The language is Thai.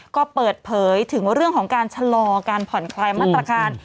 ก็เปิดเผยถึงเรื่องของการชะลอการผ่อนคลายมาตรการ